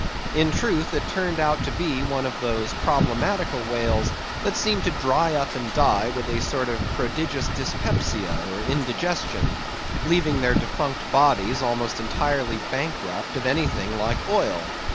In truth, it turned out to be one of those problematical whales that seem to dry up and die with a sort of prodigious dyspepsia, or indigestion; leaving their defunct bodies almost entirely bankrupt of anything like oil.